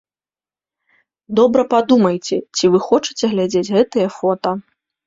Добра падумайце, ці вы хочаце глядзець гэтыя фота.